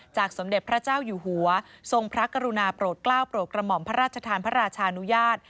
สมเด็จพระเจ้าอยู่หัวทรงพระกรุณาโปรดกล้าวโปรดกระหม่อมพระราชทานพระราชานุญาต